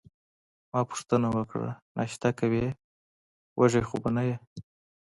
ما پوښتنه وکړه: ناشته کوې، وږې خو به نه یې؟